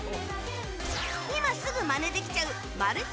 今すぐマネできちゃうマル秘